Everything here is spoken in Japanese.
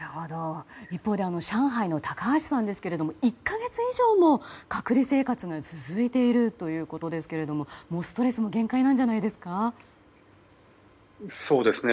一方で上海の高橋さんですけど１か月以上も隔離生活が続いているということですけれどもストレスも限界なんじゃないですか。